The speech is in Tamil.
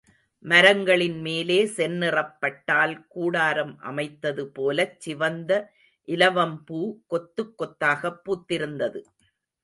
மரங்களின் மேலே செந்நிறப் பட்டால் கூடாரம் அமைத்தது போலச் சிவந்த இலவம்பூ கொத்துக் கொத்தாகப் பூத்திருந்தது.